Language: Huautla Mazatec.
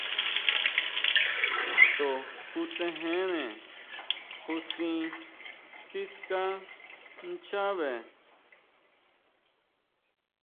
To kutsejene júsʼi siská nchabe.